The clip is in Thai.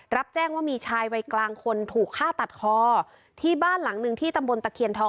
รับแจ้งว่ามีชายวัยกลางคนถูกฆ่าตัดคอที่บ้านหลังหนึ่งที่ตำบลตะเคียนทอง